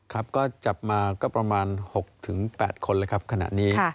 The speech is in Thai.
ครับก็จับมาก็ประมาณ๖๘คนเลยครับขณะนี้